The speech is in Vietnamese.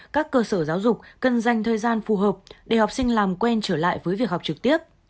các cơ sở giáo dục cần dành thời gian phù hợp để học sinh làm quen trở lại với việc học trực tiếp